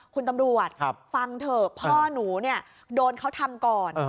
คุณตำรวจฟังเถอะพ่อหนูโดนเขาทำก่อน